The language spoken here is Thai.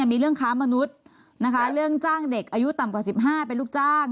มีเรื่องค้ามนุษย์นะคะเรื่องจ้างเด็กอายุต่ำกว่า๑๕เป็นลูกจ้าง